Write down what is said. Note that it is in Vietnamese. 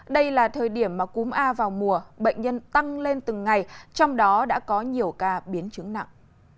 đây là thời điểm mà cúm a vào mùa bệnh nhân tăng lên từng ngày trong đó đã có nhiều ca biến chứng nặng